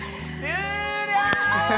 終了！